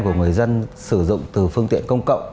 của người dân sử dụng từ phương tiện công cộng